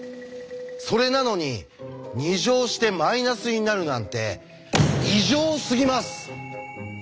それなのに２乗してマイナスになるなんて異常すぎます！